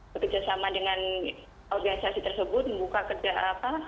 bekerjasama dengan organisasi tersebut membuka kerja apa